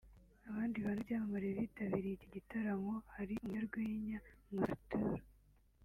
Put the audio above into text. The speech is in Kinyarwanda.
Abandi bantu b’ibyamamare bitabiriye iki gitaramo hari umunyarwenya Nkusi Arthur